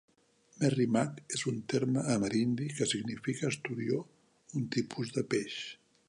"Merrimack" és un terme amerindi que significa "esturió", un tipus de peix.